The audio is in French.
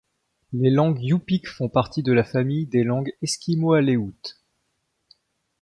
Les langues yupik font partie de la famille des langues eskimo-aléoutes.